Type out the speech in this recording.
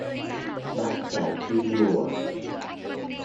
Bác lại cứ đùa